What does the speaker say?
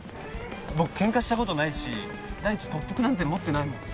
僕ケンカしたことないし第一特服なんて持ってないもん。